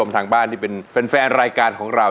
ทางบ้านที่เป็นแฟนรายการของเรา